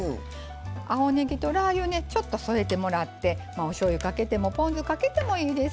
青ねぎとラー油ねちょっと添えてもらっておしょうゆかけてもポン酢かけてもいいです。